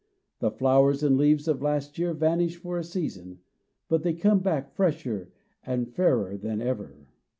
The flowers and leaves of last year vanish for a season; but they come back fresher and fairer than ever.